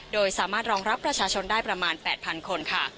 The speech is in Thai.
โดยสามารถรองรับประชาชนได้ประมาณ๘๐๐คนค่ะ